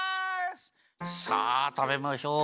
さあたべましょう。